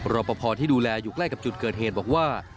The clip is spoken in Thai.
รอปภที่ดูแลอยู่ใกล้กับจุดเกิดเหตุบอกว่า